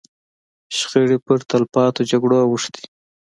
شخړې پر تلپاتو جګړو اوښتې.